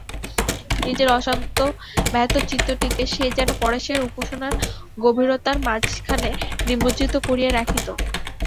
নিজের অশান্ত ব্যথিত চিত্তটিকে সে যেন পরেশের উপাসনার গভীরতার মাঝখানে নিমজ্জিত করিয়া রাখিত।